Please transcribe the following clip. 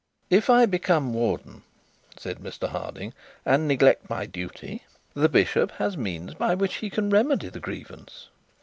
'If I become warden,' said Mr Harding, 'and neglect my duty, the bishop has means by which he can remedy the grievance.'